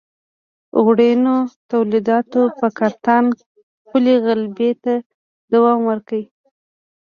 وړینو تولیداتو پر کتان خپلې غلبې ته دوام ورکړ.